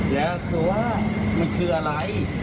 แล้วคือว่ามันคืออะไร